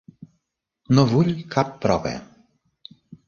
No vull cap prova.